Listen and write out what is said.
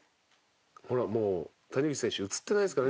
「ほらもう谷口選手映ってないですからね」